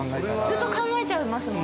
ずっと考えちゃいますもんね。